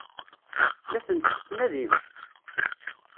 La tent-tettnadimt?